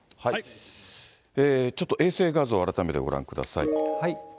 ちょっと衛星画像、改めてご覧ください。